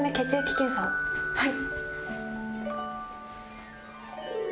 はい。